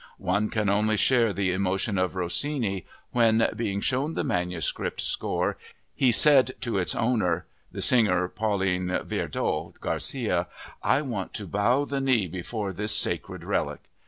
One can only share the emotion of Rossini when, being shown the manuscript score, he said to its owner, the singer Pauline Viardot Garcia: "I want to bow the knee before this sacred relic!"